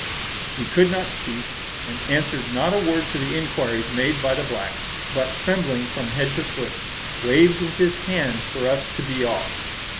He could not speak, and answered not a word to the inquiries made by the black, but, trembling from head to foot, "waved with his hand for us to be off."